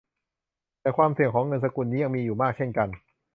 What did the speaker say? แต่ความเสี่ยงของเงินสกุลนี้ก็ยังมีอยู่มากเช่นกัน